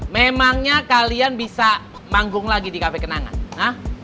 memangnya kalian bisa manggung lagi di cafe kenangan hah